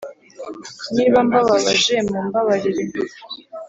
niba mbababaje mumbabarire